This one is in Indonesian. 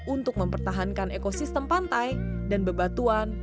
untuk mempertahankan ekosistem pantai dan bebatuan